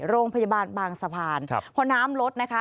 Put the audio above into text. โรงพยาบาลบางสะพานพอน้ำลดนะคะ